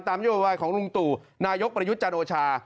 นโยบายของลุงตู่นายกประยุทธ์จันโอชา